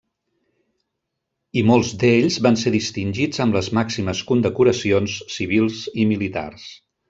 I molts d'ells van ser distingits amb les màximes condecoracions civils i militars.